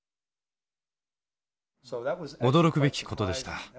驚くべきことでした。